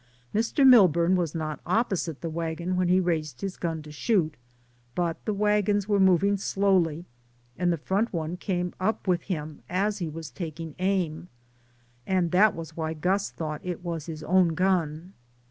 Mr. Milburn was not opposite the wagon when he raised his gun to shoot, but the wagons were moving slowly and the front one came up with him as he was taking aim, and that was why Gus thought it was his own gun.